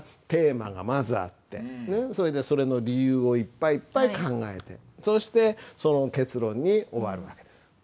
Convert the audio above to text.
テーマがまずあってそれの理由をいっぱいいっぱい考えてそしてその結論に終わる訳です。